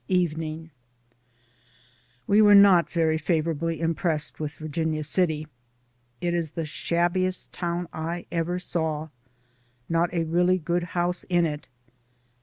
Evening. — We were not very favorably impressed with Virginia City. It is the shabbiest town I ever saw, not a really good DAYS ON THE ROAD. 263 house in it.